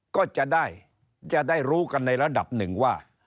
ก็จะได้รู้กันในระดับหนึ่งว่า